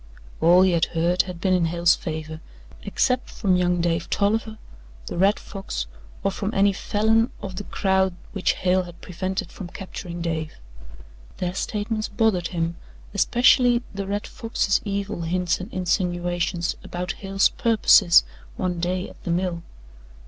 All he had heard had been in Hale's favour, except from young Dave Tolliver, the Red Fox or from any Falin of the crowd, which Hale had prevented from capturing Dave. Their statements bothered him especially the Red Fox's evil hints and insinuations about Hale's purposes one day at the mill.